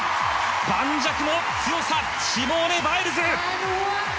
盤石の強さシモーネ・バイルズ！